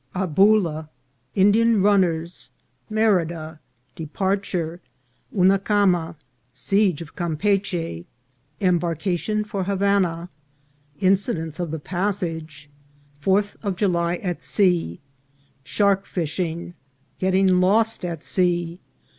— Aboula. — Indian Runners. — Merida. — Departure. — Hunucama. — Siege of Campeachy. — Embarcation for Havana. — Incidents of the Passage.— Fourth of July at Sea. — Shark fishing. — Getting lost at Sea.